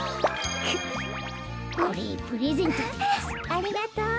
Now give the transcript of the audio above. ありがとう。